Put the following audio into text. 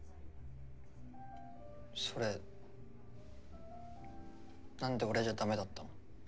それなんで俺じゃダメだったの？